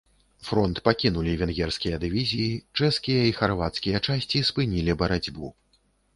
Фронт пакінулі венгерскія дывізіі, чэшскія і харвацкія часці спынілі барацьбу.